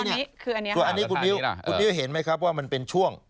แล้วกับอันนี้ครับคุณวิวเห็นไหมครับว่ามันเป็นช่วง